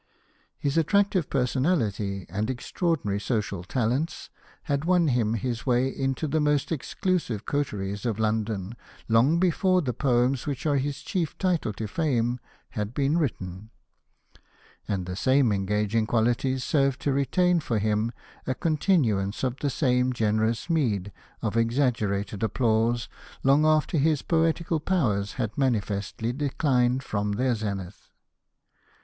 His attractive personality and Hosted by Google xii POETRY OF THOMAS MOORE extraordinary social talents had won him his way into the most exclusive coteries of L£)ndon long before the poems which are his chief title to fame had been written. And the same engaging qualities sei ved to retain for him a continuance of the same generous meed of exaggerated applause long after his poetical powers had manifestly declined from their zenith.